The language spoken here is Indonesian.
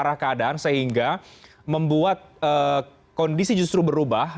arah keadaan sehingga membuat kondisi justru berubah